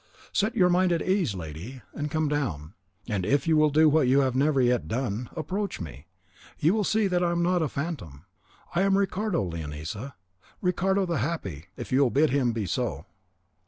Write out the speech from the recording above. Set your mind at ease, lady, and come down; and if you will do what you have never yet done—approach me—you will see that I am not a phantom. I am Ricardo, Leonisa,—Ricardo the happy, if you will bid him be so."